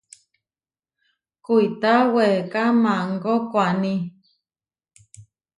Kuitá weeká maangó koaní.